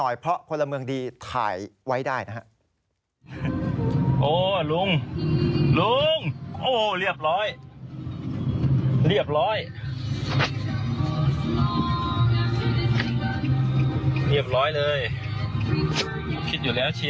เยี่ยมไปอีกแล้วละ